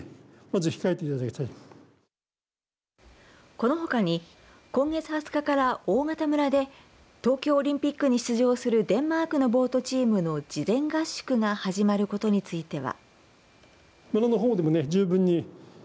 このほかに今月２０日から大潟村で東京オリンピックに出場するデンマークのボートチームの事前合宿が始まることについては。